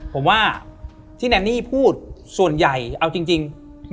ผมว่าที่แนนนี่พูดส่วนใหญ่เอาจริง